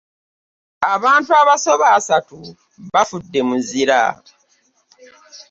Abantu abasoba asatu bafudde muzira.